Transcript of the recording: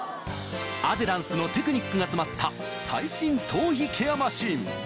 アデランスのテクニックが詰まった最新頭皮ケアマシン